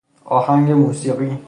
آهنگ موسیقی